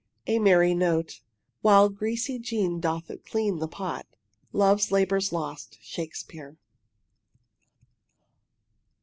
a merry note, While greasy Jean doth clean the pot. "Love's Labour's Lost," Shakespeare.